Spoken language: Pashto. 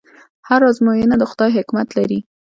هره ازموینه د خدای حکمت لري.